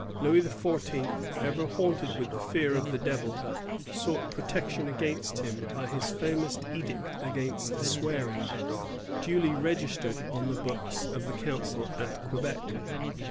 Louis XIV., ever haunted with the fear of the Devil, sought protection against him by his famous edict against swearing, duly registered on the books of the council at Quebec.